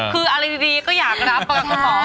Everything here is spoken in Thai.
คืออะไรดีก็อยากรับเปิดกระเบาะขา